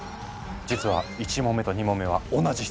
実は１問目と２問目は同じ質問。